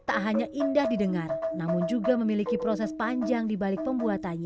sebenarnya indah didengar namun juga memiliki proses panjang dibalik pembuatannya